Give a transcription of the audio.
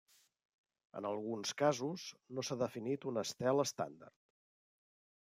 En alguns casos, no s'ha definit un estel estàndard.